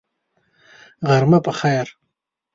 غرمه په خیر !